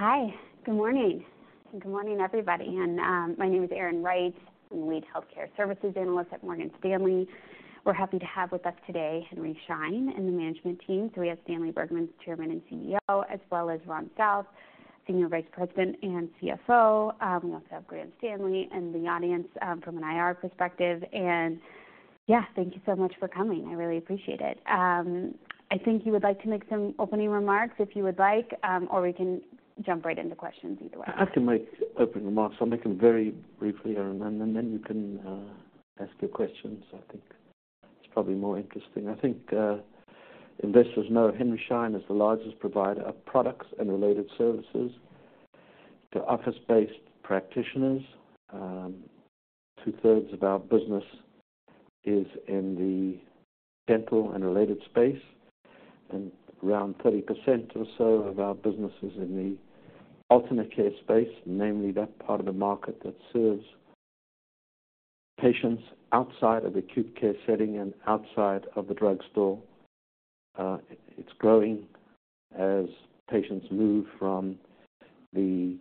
Hi, good morning. Good morning, everybody, and my name is Erin Wright. I'm the Healthcare Services Analyst at Morgan Stanley. We're happy to have with us today Henry Schein and the management team. So we have Stanley Bergman, Chairman and CEO, as well as Ron South, Senior Vice President and CFO. We also have Graham Stanley in the audience, from an IR perspective. And yeah, thank you so much for coming. I really appreciate it. I think you would like to make some opening remarks, if you would like, or we can jump right into questions either way. I can make opening remarks. I'll make them very briefly, Erin, and then you can ask your questions. I think it's probably more interesting. I think investors know Henry Schein is the largest provider of products and related services to office-based practitioners. Two-thirds of our business is in the dental and related space, and around 30% or so of our business is in the alternate care space, namely that part of the market that serves patients outside of acute care setting and outside of the drugstore. It's growing as patients move from the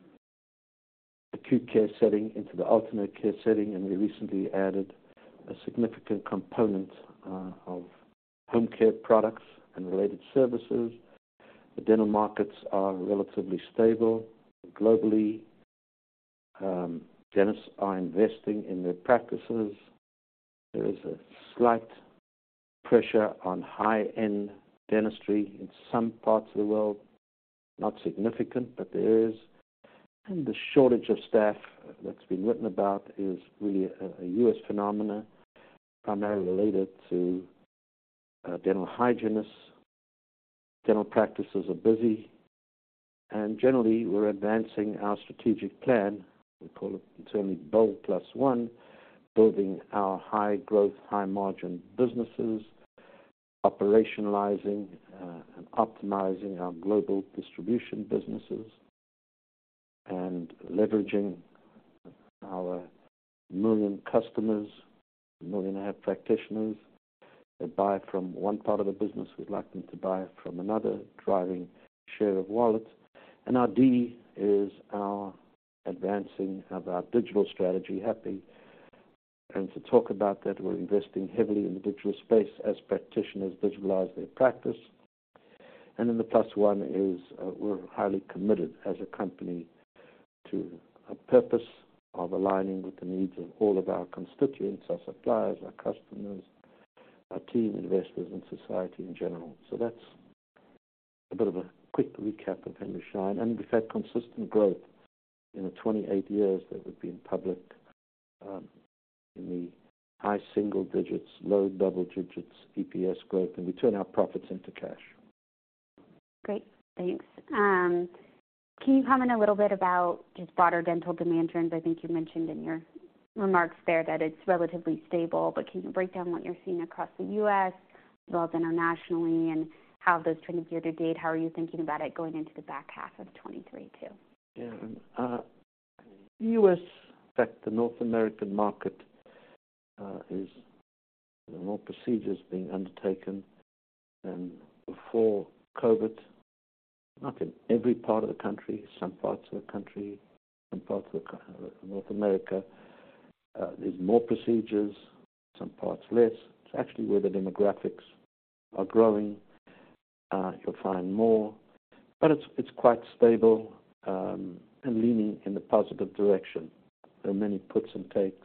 acute care setting into the alternate care setting, and we recently added a significant component of home care products and related services. The dental markets are relatively stable globally. Dentists are investing in their practices. There is a slight pressure on high-end dentistry in some parts of the world. Not significant, but there is. The shortage of staff that's been written about is really a U.S. phenomenon, primarily related to dental hygienists. Dental practices are busy, and generally, we're advancing our strategic plan. We call it internally BOLD+1, building our high-growth, high-margin businesses, operationalizing and optimizing our global distribution businesses, and leveraging our 1 million customers, 1.5 million practitioners. They buy from one part of the business; we'd like them to buy from another, driving share of wallet. Our D is our advancing of our digital strategy. To talk about that, we're investing heavily in the digital space as practitioners digitalize their practice. Then the +1 is, we're highly committed as a company to a purpose of aligning with the needs of all of our constituents, our suppliers, our customers, our team, investors, and society in general. So that's a bit of a quick recap of Henry Schein, and we've had consistent growth in the 28 years that we've been in public, in the high single digits, low double digits, EPS growth, and we turn our profits into cash. Great, thanks. Can you comment a little bit about just broader dental demand trends? I think you mentioned in your remarks there that it's relatively stable, but can you break down what you're seeing across the U.S., as well as internationally, and how those trends year-to-date, how are you thinking about it going into the back half of 2023 too? Yeah. U.S., in fact, the North American market is more procedures being undertaken than before COVID. Not in every part of the country, some parts of the country, some parts of the North America, there's more procedures, some parts less. It's actually where the demographics are growing, you'll find more, but it's, it's quite stable, and leaning in the positive direction. There are many puts and takes.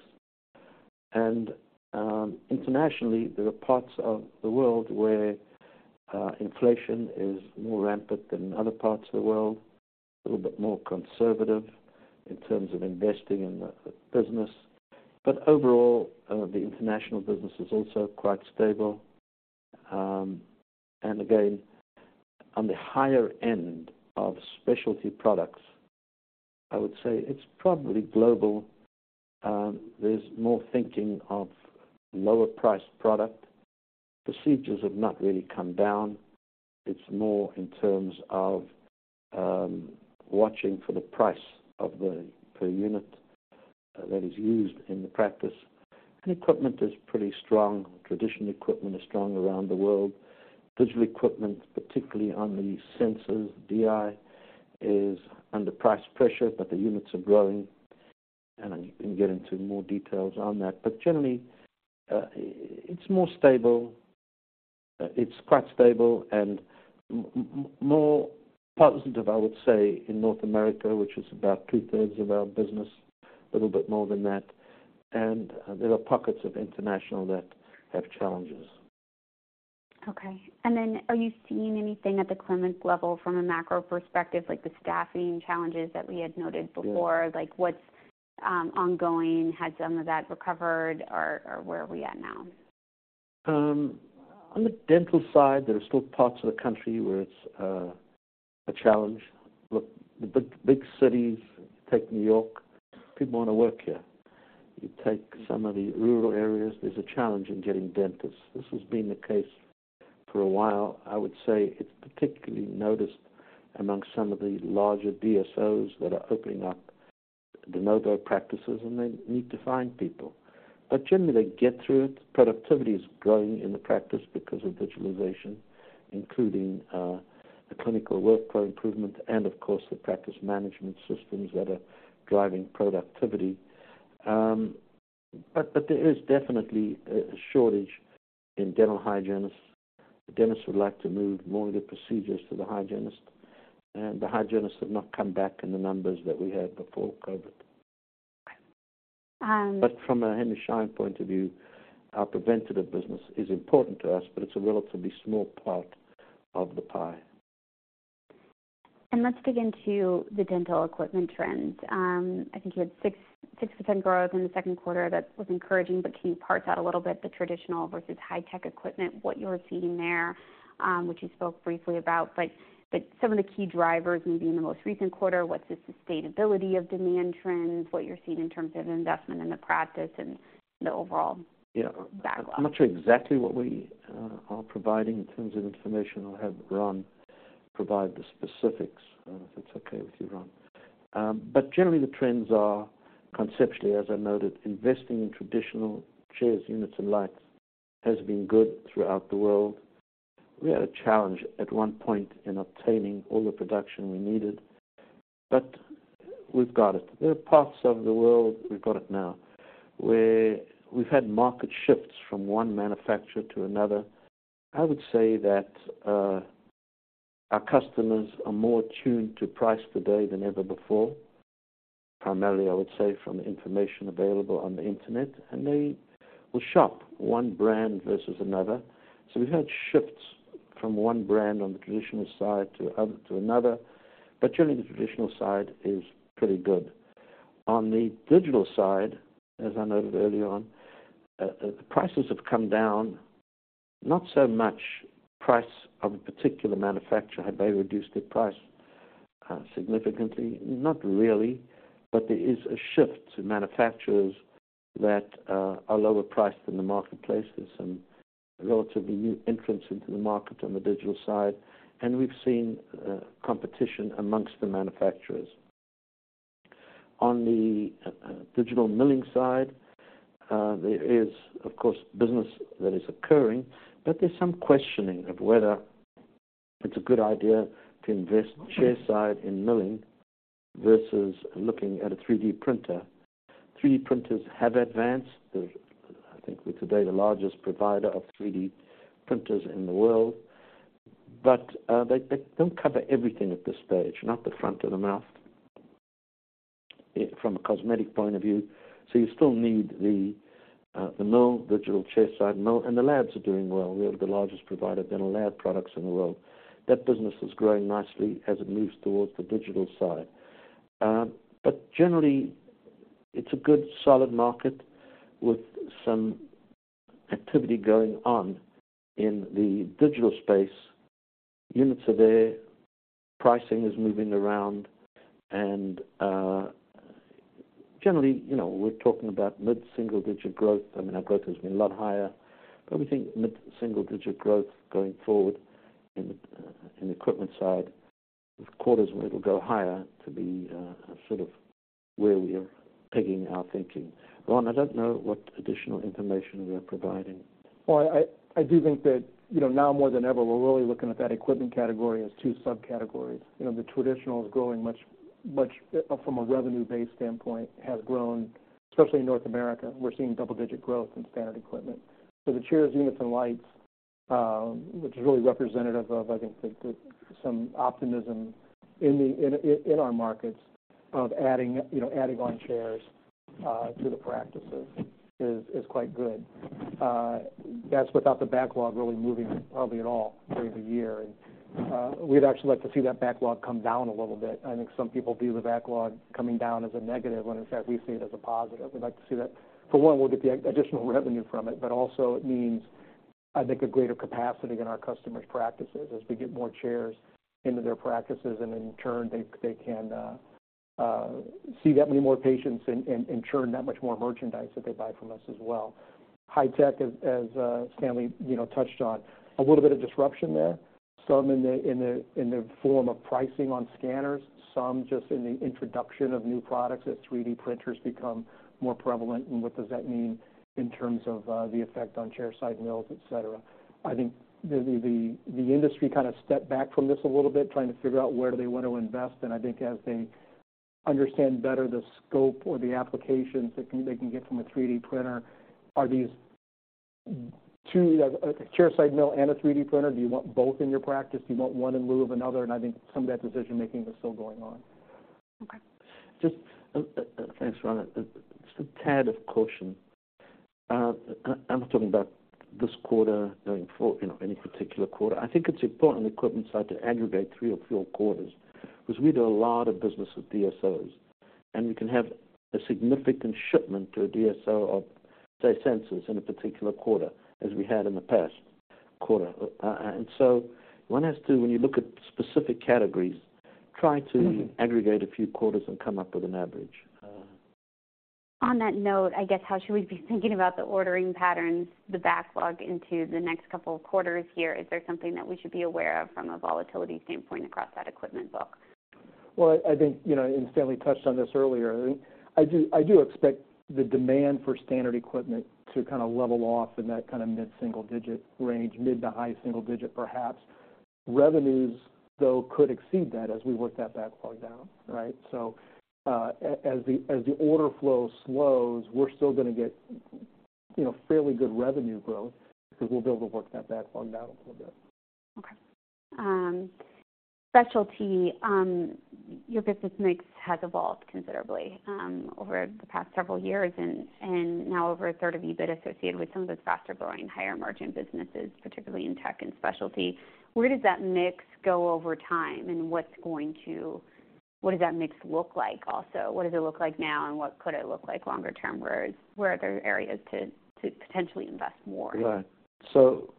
Internationally, there are parts of the world where inflation is more rampant than other parts of the world, a little bit more conservative in terms of investing in the business. But overall, the international business is also quite stable. And again, on the higher end of specialty products, I would say it's probably global. There's more thinking of lower priced product. Procedures have not really come down. It's more in terms of watching for the price of the per unit that is used in the practice. Equipment is pretty strong. Traditional equipment is strong around the world. Digital equipment, particularly on the sensors, DI, is under price pressure, but the units are growing, and I can get into more details on that. Generally, it's more stable. It's quite stable and more positive, I would say, in North America, which is about two-thirds of our business, a little bit more than that, and there are pockets of international that have challenges. Okay. And then, are you seeing anything at the clinic level from a macro perspective, like the staffing challenges that we had noted before? Like, what's ongoing? Has some of that recovered, or where are we at now? On the dental side, there are still parts of the country where it's a challenge. Look, the big, big cities, take New York, people want to work here. You take some of the rural areas, there's a challenge in getting dentists. This has been the case for a while. I would say it's particularly noticed among some of the larger DSOs that are opening up, they know their practices, and they need to find people. But generally, they get through it. Productivity is growing in the practice because of digitalization, including the clinical workflow improvement and of course, the practice management systems that are driving productivity. But there is definitely a shortage in dental hygienists. The dentists would like to move more of the procedures to the hygienist, and the hygienists have not come back in the numbers that we had before COVID. From a Henry Schein point of view, our preventative business is important to us, but it's a relatively small part of the pie. Let's dig into the dental equipment trends. I think you had 6% growth in the second quarter. That was encouraging, but can you parse out a little bit the traditional versus high-tech equipment, what you're seeing there, which you spoke briefly about? But some of the key drivers, maybe in the most recent quarter, what's the sustainability of demand trends, what you're seeing in terms of investment in the practice and the overall backlog. I'm not sure exactly what we are providing in terms of information. I'll have Ron provide the specifics, if it's okay with you, Ron. But generally, the trends are conceptually, as I noted, investing in traditional chairs, units and lights has been good throughout the world. We had a challenge at one point in obtaining all the production we needed, but we've got it. There are parts of the world, we've got it now, where we've had market shifts from one manufacturer to another. I would say that our customers are more tuned to price today than ever before. Primarily, I would say, from the information available on the internet, and they will shop one brand versus another. So we've had shifts from one brand on the traditional side to other, to another, but generally, the traditional side is pretty good. On the digital side, as I noted early on, the prices have come down, not so much price of a particular manufacturer. Have they reduced their price significantly? Not really, but there is a shift to manufacturers that are lower priced in the marketplace. There's some relatively new entrants into the market on the digital side, and we've seen competition amongst the manufacturers. On the digital milling side, there is, of course, business that is occurring, but there's some questioning of whether it's a good idea to invest chairside in milling versus looking at a 3D printer. 3D printers have advanced. They're, I think, we're today, the largest provider of 3D printers in the world. But they don't cover everything at this stage, not the front of the mouth from a cosmetic point of view. So you still need the mill, digital chairside mill, and the labs are doing well. We are the largest provider of dental lab products in the world. That business is growing nicely as it moves towards the digital side. But generally, it's a good, solid market with some activity going on in the digital space. Units are there, pricing is moving around, and generally, you know, we're talking about mid-single digit growth. I mean, our growth has been a lot higher, but we think mid-single digit growth going forward in the equipment side, with quarters where it'll go higher, to be sort of where we are taking our thinking. Ron, I don't know what additional information we are providing. Well, I do think that, you know, now more than ever, we're really looking at that equipment category as two subcategories. You know, the traditional is growing much, much from a revenue-based standpoint, has grown, especially in North America. We're seeing double-digit growth in standard equipment. So the chairs, units and lights, which is really representative of, I think, some optimism in our markets of adding, you know, adding on chairs to the practices, is quite good. That's without the backlog really moving hardly at all during the year. We'd actually like to see that backlog come down a little bit. I think some people view the backlog coming down as a negative, when in fact, we see it as a positive. We'd like to see that. For one, we'll get the additional revenue from it, but also it means, I think, a greater capacity in our customers' practices as we get more chairs into their practices, and in turn, they can see that many more patients and churn that much more merchandise that they buy from us as well. High tech, as Stanley, you know, touched on, a little bit of disruption there. Some in the form of pricing on scanners, some just in the introduction of new products as 3D printers become more prevalent, and what does that mean in terms of the effect on chairside mills, et cetera? I think the industry kind of stepped back from this a little bit, trying to figure out where they want to invest, and I think as they understand better the scope or the applications that they can get from a 3D printer, are these two, a chairside mill and a 3D printer, do you want both in your practice? Do you want one in lieu of another? And I think some of that decision-making is still going on. Okay. Just, thanks, Ron. Just a tad of caution. I'm not talking about this quarter going forward, you know, any particular quarter. I think it's important in the equipment side to aggregate three or four quarters, because we do a lot of business with DSOs, and we can have a significant shipment to a DSOs of, say, sensors in a particular quarter, as we had in the past quarter. And so one has to, when you look at specific categories, try to- Aggregate a few quarters and come up with an average. On that note, I guess, how should we be thinking about the ordering patterns, the backlog into the next couple of quarters here? Is there something that we should be aware of from a volatility standpoint across that equipment book? Well, I think, you know, and Stanley touched on this earlier, I do expect the demand for standard equipment to kind of level off in that kind of mid-single digit range, mid to high single digit, perhaps. Revenues, though, could exceed that as we work that backlog down, right? So, as the, as the order flow slows, we're still gonna get, you know, fairly good revenue growth because we'll be able to work that backlog down a little bit. Okay. Specialty, your business mix has evolved considerably over the past several years, and, and now over a third of EBIT associated with some of those faster-growing, higher-margin businesses, particularly in tech and specialty. Where does that mix go over time? And what's going to-- What does that mix look like also? What does it look like now, and what could it look like longer term, where, where are there areas to, to potentially invest more? Right. So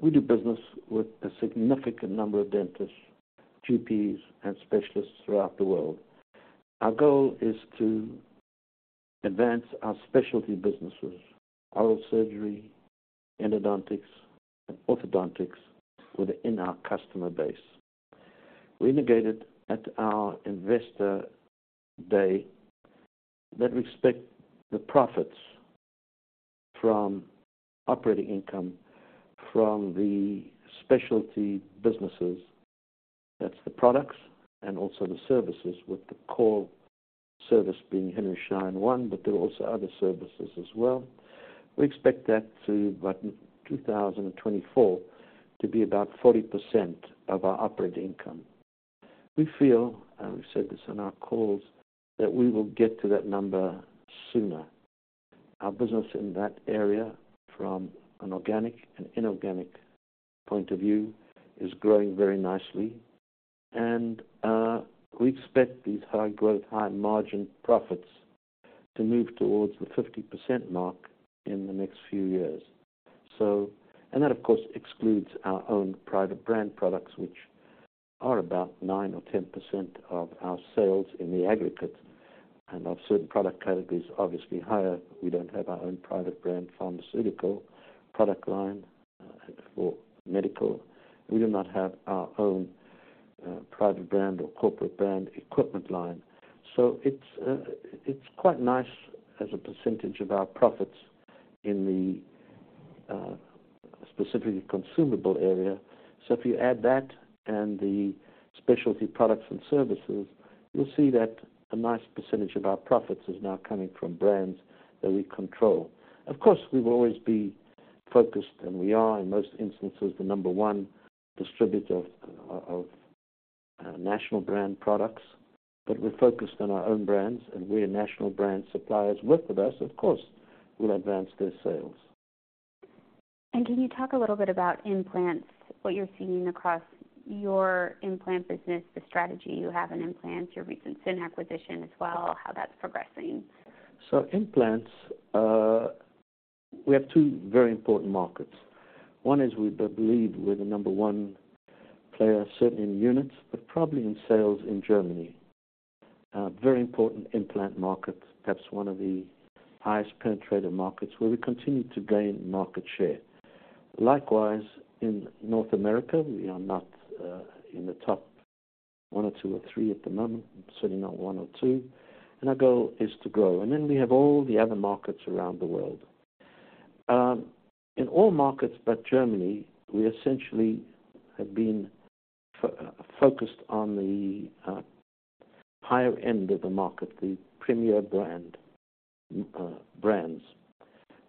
we do business with a significant number of dentists, GPs, and specialists throughout the world. Our goal is to advance our specialty businesses, oral surgery, endodontics, and orthodontics within our customer base. We indicated at our Investor Day that we expect the profits from operating income, from the specialty businesses, that's the products and also the services, with the core service being Henry Schein One, but there are also other services as well. We expect that to, by 2024, to be about 40% of our operating income. We feel, and we've said this on our calls, that we will get to that number sooner. Our business in that area, from an organic and inorganic point of view, is growing very nicely. And, we expect these high growth, high margin profits to move towards the 50% mark in the next few years. That, of course, excludes our own private brand products, which are about 9% or 10% of our sales in the aggregate, and of certain product categories, obviously higher. We don't have our own private brand pharmaceutical product line, or medical. We do not have our own, private brand or corporate brand equipment line. So it's, it's quite nice as a percentage of our profits in the, specifically consumable area. So if you add that and the specialty products and services, you'll see that a nice percentage of our profits is now coming from brands that we control. Of course, we've always been focused, and we are, in most instances, the number one distributor of, of, national brand products, but we're focused on our own brands, and we're national brand suppliers. With us, of course, we'll advance their sales. Can you talk a little bit about implants, what you're seeing across your implant business, the strategy you have in implants, your recent S.I.N. acquisition as well, how that's progressing? So implants, we have two very important markets. One is, we believe we're the number one player, certainly in units, but probably in sales in Germany. Very important implant market, perhaps one of the highest penetration markets, where we continue to gain market share. Likewise, in North America, we are not in the top one or two or three at the moment, certainly not one or two, and our goal is to grow. And then we have all the other markets around the world. In all markets but Germany, we essentially have been focused on the higher end of the market, the premier brand, brands.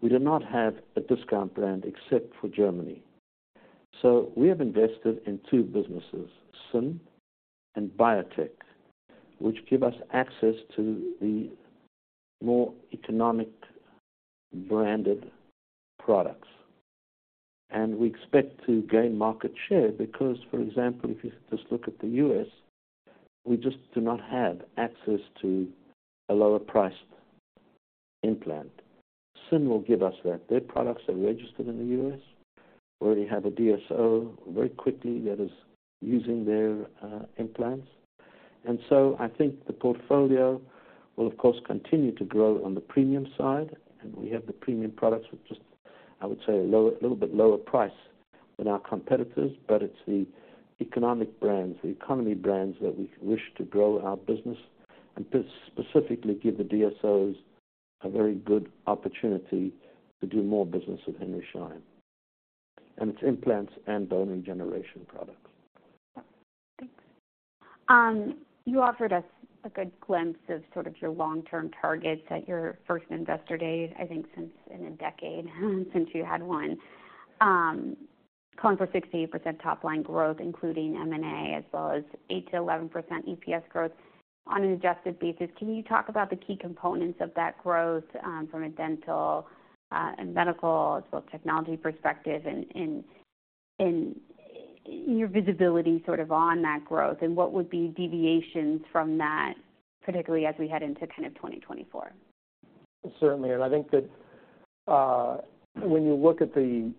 We do not have a discount brand except for Germany. So we have invested in two businesses, S.I.N. and Biotech, which give us access to the more economic branded products. And we expect to gain market share because, for example, if you just look at the U.S., we just do not have access to a lower-priced implant. S.I.N. will give us that. Their products are registered in the U.S. We already have a DSOs very quickly that is using their implants. And so I think the portfolio will, of course, continue to grow on the premium side, and we have the premium products with just, I would say, lower, little bit lower price than our competitors. But it's the economic brands, the economy brands, that we wish to grow our business and specifically give the DSOs a very good opportunity to do more business with Henry Schein, and it's implants and bone regeneration products. You offered us a good glimpse of sort of your long-term targets at your first Investor Day, I think, since in a decade, since you had one. Calling for 68% top line growth, including M&A, as well as 8%-11% EPS growth on an adjusted basis. Can you talk about the key components of that growth, from a dental, and medical, as well as technology perspective, and your visibility sort of on that growth, and what would be deviations from that, particularly as we head into kind of 2024? Certainly, and I think that when you look at the,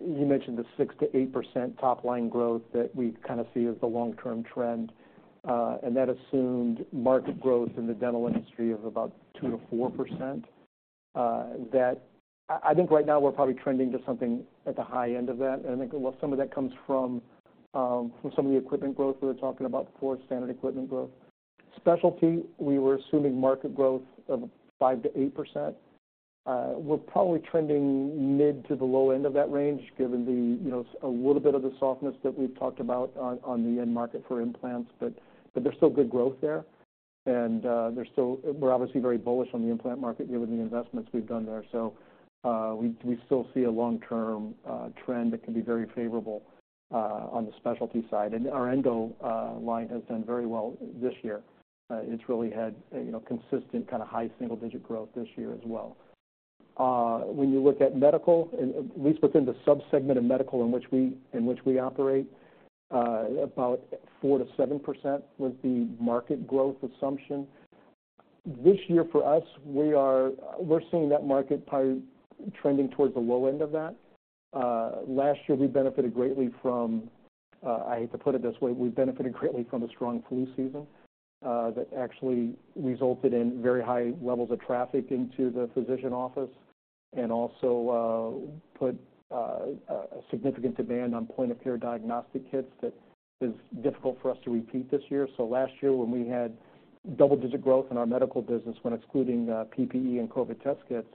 you mentioned the 6%-8% top line growth that we kind of see as the long-term trend, and that assumed market growth in the dental industry of about 2%-4%, that I think right now we're probably trending to something at the high end of that. And I think some of that comes from, from some of the equipment growth we were talking about before, standard equipment growth. Specialty, we were assuming market growth of 5%-8%. We're probably trending mid to the low end of that range, given the, you know, a little bit of the softness that we've talked about on the end market for implants. But there's still good growth there, and there's still. We're obviously very bullish on the implant market, given the investments we've done there. So, we still see a long-term trend that can be very favorable on the specialty side. And our endo line has done very well this year. It's really had, you know, consistent kind of high single-digit growth this year as well. When you look at medical, and at least within the sub-segment of medical in which we operate, about 4%-7% was the market growth assumption. This year for us, we're seeing that market probably trending towards the low end of that. Last year, we benefited greatly from, I hate to put it this way, we benefited greatly from a strong flu season, that actually resulted in very high levels of traffic into the physician office and also put a significant demand on point-of-care diagnostic kits that is difficult for us to repeat this year. So last year, when we had double-digit growth in our medical business, when excluding PPE and COVID test kits,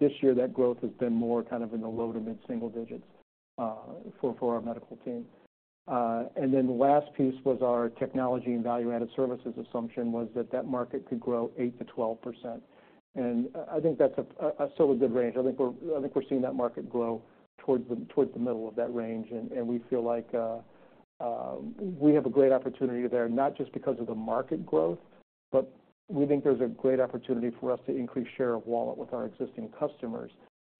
this year, that growth has been more kind of in the low to mid single digits, for our medical team. And then the last piece was our technology and value-added services assumption was that that market could grow 8%-12%. And I think that's a still a good range. I think we're seeing that market grow towards the middle of that range. We feel like we have a great opportunity there, not just because of the market growth, but we think there's a great opportunity for us to increase share of wallet with our existing customers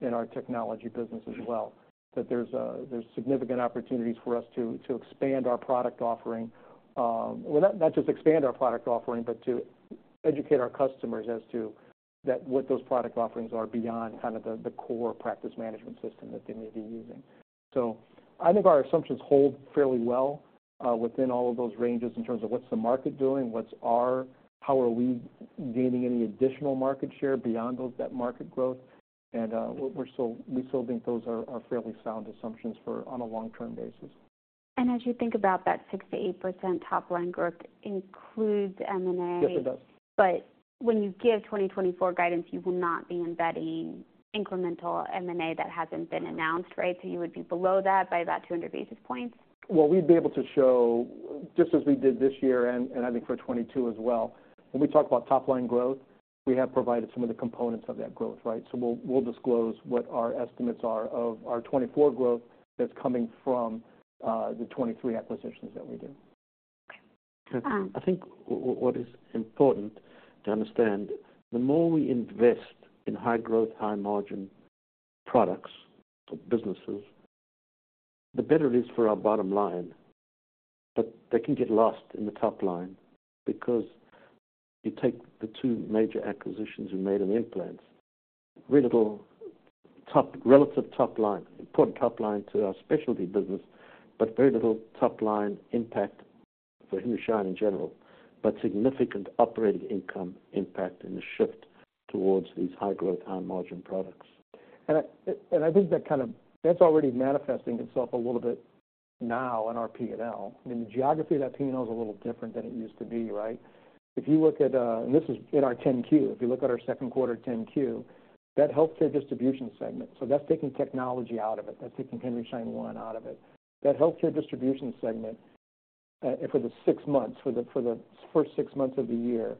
in our technology business as well. There's significant opportunities for us to expand our product offering, well, not just expand our product offering, but to educate our customers as to what those product offerings are beyond kind of the core practice management system that they may be using. So I think our assumptions hold fairly well within all of those ranges in terms of what's the market doing, what's our—how are we gaining any additional market share beyond that market growth? We still think those are fairly sound assumptions for on a long-term basis. As you think about that 6%-8% top line growth includes M&A? Yes, it does. But when you give 2024 guidance, you will not be embedding incremental M&A that hasn't been announced, right? So you would be below that by about 200 basis points. Well, we'd be able to show, just as we did this year, and I think for 2022 as well, when we talk about top line growth, we have provided some of the components of that growth, right? So we'll disclose what our estimates are of our 2024 growth that's coming from the 2023 acquisitions that we did. I think what is important to understand, the more we invest in high-growth, high-margin products or businesses, the better it is for our bottom line. But they can get lost in the top line because you take the two major acquisitions you made in implants, very little top line, relative top line, important top line to our specialty business, but very little top line impact for Henry Schein in general, but significant operating income impact and a shift towards these high growth, high margin products. I think that kind of, that's already manifesting itself a little bit now in our P&L. I mean, the geography of that P&L is a little different than it used to be, right? If you look at, and this is in our 10-Q, if you look at our second quarter 10-Q, that healthcare distribution segment, so that's taking technology out of it. That's taking Henry Schein One out of it. That healthcare distribution segment, for the first 6 months of the year,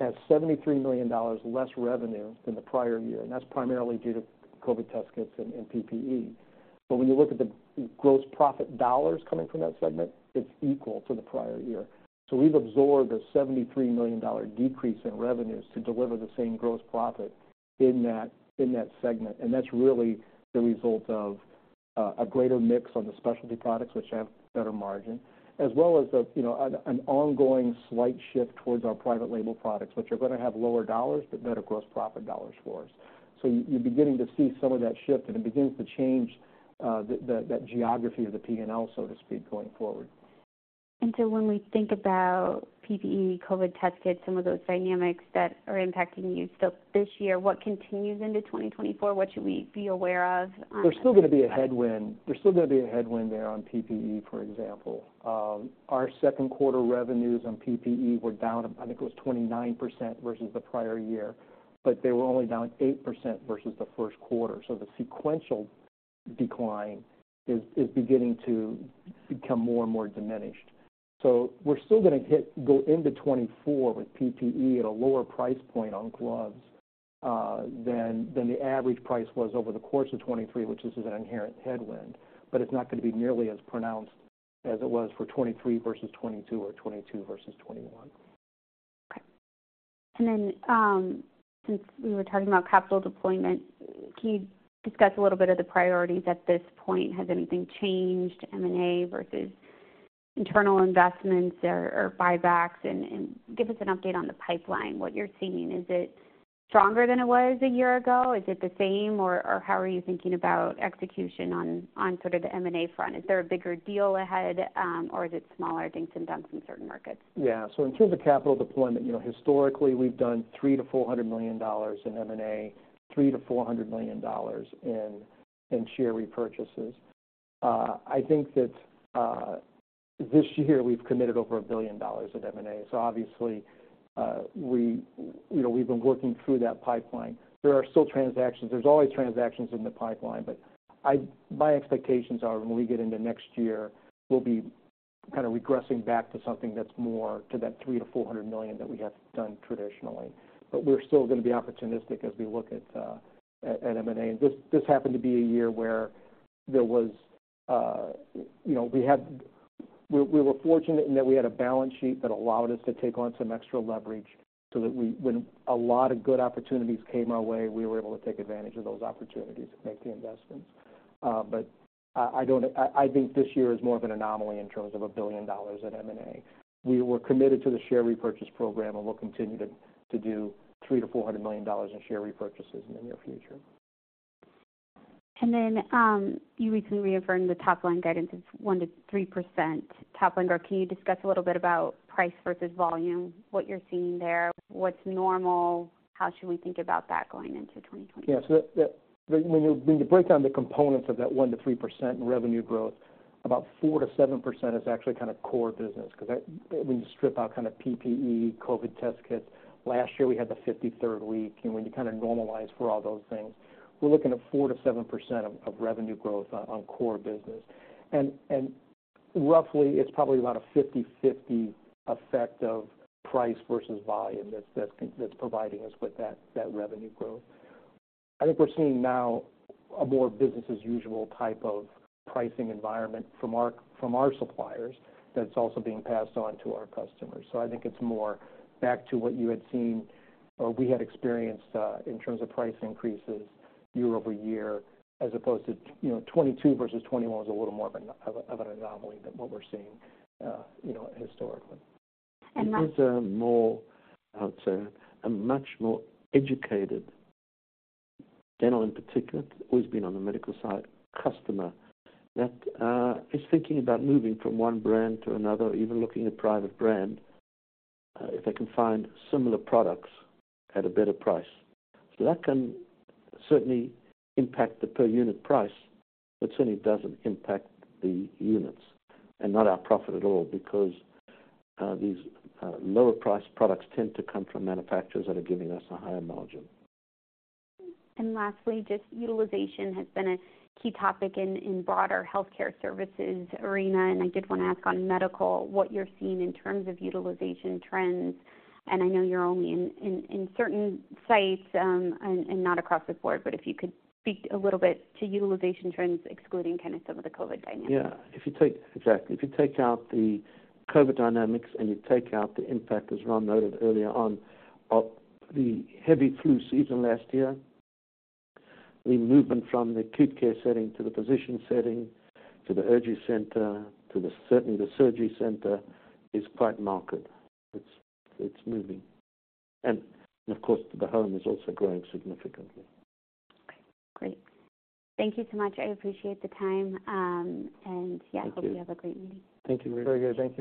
has $73 million less revenue than the prior year, and that's primarily due to COVID test kits and PPE. But when you look at the gross profit dollars coming from that segment, it's equal to the prior year. So we've absorbed a $73 million decrease in revenues to deliver the same gross profit in that, in that segment. And that's really the result of a greater mix on the specialty products, which have better margin, as well as you know an ongoing slight shift towards our private label products, which are going to have lower dollars, but better gross profit dollars for us. So you're beginning to see some of that shift, and it begins to change that geography of the P&L, so to speak, going forward. And so when we think about PPE, COVID test kits, some of those dynamics that are impacting you still this year, what continues into 2024, what should we be aware? There's still going to be a headwind. There's still going to be a headwind there on PPE, for example. Our second quarter revenues on PPE were down, I think it was 29% versus the prior year, but they were only down 8% versus the first quarter. So the sequential decline is beginning to become more and more diminished. So we're still gonna go into 2024 with PPE at a lower price point on gloves, than the average price was over the course of 2023, which is an inherent headwind, but it's not going to be nearly as pronounced as it was for 2023 versus 2022 or 2022 versus 2021. Okay. Then, since we were talking about capital deployment, can you discuss a little bit of the priorities at this point? Has anything changed, M&A versus internal investments or buybacks and give us an update on the pipeline, what you're seeing. Is it stronger than it was a year ago? Is it the same, or how are you thinking about execution on sort of the M&A front? Is there a bigger deal ahead, or is it smaller dinks and dunks in certain markets? Yeah. So in terms of capital deployment, you know, historically, we've done $300 million-$400 million in M&A, $300 million-$400 million in share repurchases. I think that, this year we've committed over $1 billion in M&A. So obviously, you know, we've been working through that pipeline. There are still transactions. There's always transactions in the pipeline, but my expectations are when we get into next year, we'll be kind of regressing back to something that's more to that $300 million-$400 million that we have done traditionally. But we're still gonna be opportunistic as we look at M&A. And this happened to be a year where there was, you know, we had. We were fortunate in that we had a balance sheet that allowed us to take on some extra leverage so that when a lot of good opportunities came our way, we were able to take advantage of those opportunities to make the investments. But I think this year is more of an anomaly in terms of $1 billion in M&A. We were committed to the share repurchase program, and we'll continue to do $300 million-$400 million in share repurchases in the near future. Then, you recently reaffirmed the top-line guidance is 1%-3% top-line growth. Can you discuss a little bit about price versus volume, what you're seeing there, what's normal? How should we think about that going into 2022? Yeah. So when you break down the components of that 1%-3% revenue growth, about 4%-7% is actually kinda core business. 'Cause that, when you strip out kind of PPE, COVID test kits, last year we had the 53rd week, and when you kinda normalize for all those things, we're looking at 4%-7% of revenue growth on core business. And roughly, it's probably about a 50/50 effect of price versus volume that's providing us with that revenue growth. I think we're seeing now a more business-as-usual type of pricing environment from our suppliers, that's also being passed on to our customers. I think it's more back to what you had seen or we had experienced in terms of price increases year-over-year, as opposed to, you know, 2022 versus 2021 was a little more of an anomaly than what we're seeing, you know, historically. And last. There's a more, I would say, a much more educated, dental in particular, it's always been on the medical side, customer, that is thinking about moving from one brand to another, even looking at private brand, if they can find similar products at a better price. So that can certainly impact the per unit price, but certainly doesn't impact the units and not our profit at all, because these lower priced products tend to come from manufacturers that are giving us a higher margin. Lastly, just utilization has been a key topic in broader healthcare services arena, and I did wanna ask on medical, what you're seeing in terms of utilization trends. I know you're only in certain sites, and not across the board, but if you could speak a little bit to utilization trends, excluding kind of some of the COVID dynamics. Yeah, if you take exactly, if you take out the COVID dynamics and you take out the impact, as Ron noted earlier on, of the heavy flu season last year, the movement from the acute care setting to the physician setting, to the urgent center, to the, certainly, the surgery center, is quite marked. It's, it's moving. Of course, the home is also growing significantly. Great. Thank you so much. I appreciate the time. Thank you. I hope you have a great meeting. Thank you. Very good. Thank you.